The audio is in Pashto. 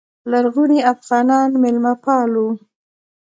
لرغوني افغانان میلمه پال وو